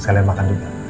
sekalian makan juga